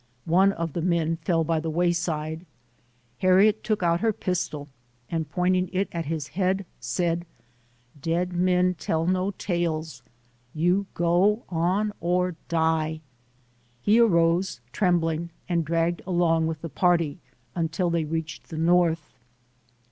One of the men fell by the wayside. Harriet took out her pistol, and pointing it at his head, said, "Dead men tell no tales; you go on or die!" He arose trembling and dragged along with the party until they reached the North.